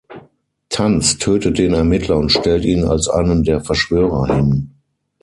Tanz tötet den Ermittler und stellt ihn als einen der Verschwörer hin.